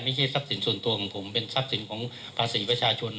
ไม่ใช่ทรัพย์สินส่วนตัวของผมเป็นทรัพย์สินของภาษีประชาชน